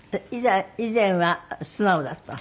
以前は素直だったの？